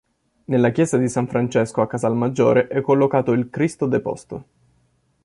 Nella Chiesa di San Francesco a Casalmaggiore è collocato il "Cristo deposto".